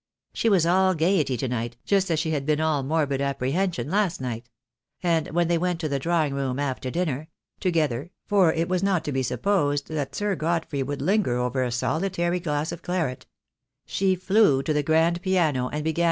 She was all gaiety to night, just as she had been all morbid apprehension last night; and when they went to the drawing room after dinner — together, for it was not to be supposed that Sir Godfrey would linger over a solitary glass of claret — she flew to the grand piano and began THE DAY WILT, COME.